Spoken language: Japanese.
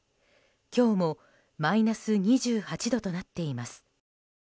今日もマイナス２８度となっています。